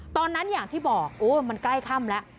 ตอนนั้นอย่างที่บอกโอ้ยมันใกล้ค่ำแล้ว